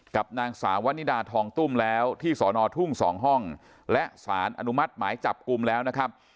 กับนางสาววันนิดาทองตุ้มแล้วที่สอนอทุ่ง๒ห้องและสารอนุมัติหมายจับกลุ่มแล้วนะครับ